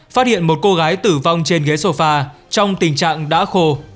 phát hiện một cô gái tử vong trên ghế sofa trong tình trạng đã khô